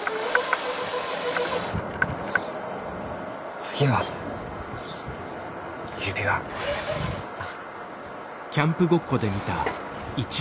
次は指輪かな。